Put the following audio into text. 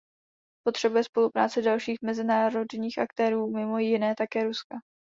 Potřebuje spolupráci dalších mezinárodních aktérů, mimo jiné také Ruska.